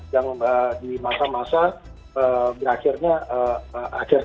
yang di masa masa berakhirnya akhir